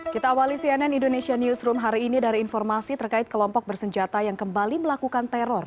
kita awali cnn indonesia newsroom hari ini dari informasi terkait kelompok bersenjata yang kembali melakukan teror